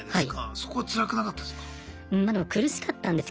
そこはつらくなかったですか？